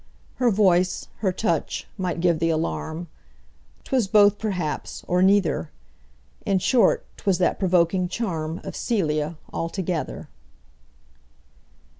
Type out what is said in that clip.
Her voice, her touch, might give th' alarm 'Twas both perhaps, or neither; In short, 'twas that provoking charm Of Cælia altogether.